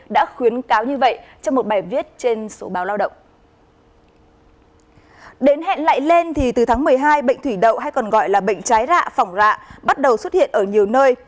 đến hẹn lại lên thì từ tháng một mươi hai bệnh thủy đậu hay còn gọi là bệnh trái rạ phòng rạ bắt đầu xuất hiện ở nhiều nơi